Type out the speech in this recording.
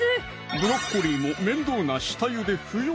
ブロッコリーも面倒な下ゆで不要！